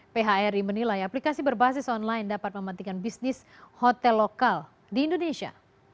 phri menilai aplikasi berbasis online dapat memantikan bisnis hotel lokal di indonesia